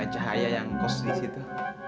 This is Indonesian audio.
cahaya yang kos di situ